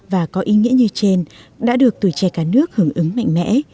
và có ý nghĩa như trên đã được tuổi trẻ cả nước hưởng ứng mạnh mẽ